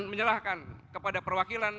menyerahkan kepada perwakilan